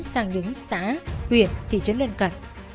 sang những xã huyện thị trấn lên cận